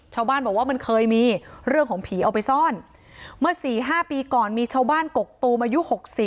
ชาวบ้านบอกว่ามันเคยมีเรื่องของผีเอาไปซ่อนเมื่อ๔๕ปีก่อนมีชาวบ้านกกตูมอายุ๖๐